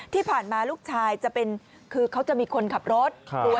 ที่ผ่านมาลูกชายจะเป็นคือเขาจะมีคนขับรถ